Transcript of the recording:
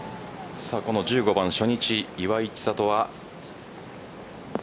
１５番初日、岩井千怜は。